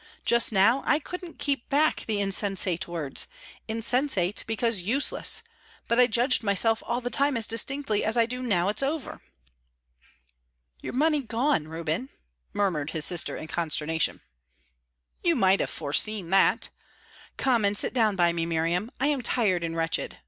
Just now, I couldn't keep back the insensate words insensate because useless but I judged myself all the time as distinctly as I do now it's over." "Your money gone, Reuben?" murmured his sister, in consternation. "You might have foreseen that. Come and sit down by me, Miriam. I am tired and wretched.